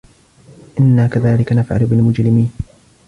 إِنَّا كَذَلِكَ نَفْعَلُ بِالْمُجْرِمِينَ